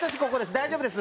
大丈夫です。